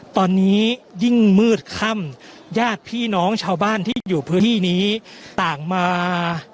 ตอนนี้ยิ่งมืดค่ำญาติพี่น้องชาวบ้านที่อยู่พื้นที่นี้ต่างมา